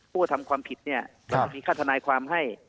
กระทำความผิดเนี่ยก็จะมีค่าทนายความให้